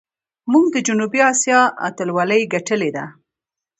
موږ د جنوبي آسیا اتلولي ګټلې ده.